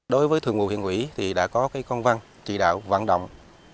đối với thường vụ huyện quỹ thì đã có công văn chỉ đạo văn động